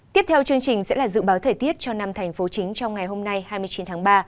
tiếp theo chương trình sẽ là dự báo thời tiết cho năm thành phố chính trong ngày hôm nay hai mươi chín tháng ba